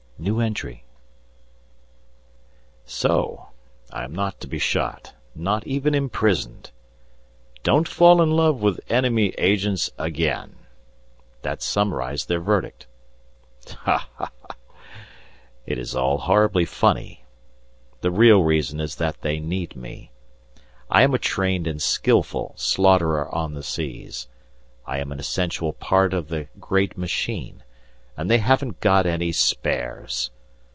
So I am not to be shot! Not even imprisoned! "Don't fall in love with enemy agents again!" that summarized their verdict. Ha! Ha! Ha! It is all horribly funny. The real reason is that they need me. I am a trained and skilful slaughterer on the seas; I am an essential part of the great machine. And they haven't got any spares!